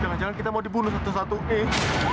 jangan jangan kita mau dibunuh satu satu eh